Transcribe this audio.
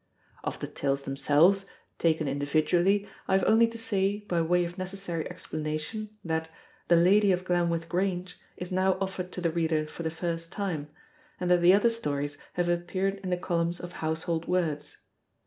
Of the tales themselves, taken individually, I have only to say, by way of necessary explanation, that "The Lady of Glenwith Grange" is now offered to the reader for the first time; and that the other stories have appeared in the columns of Household Words.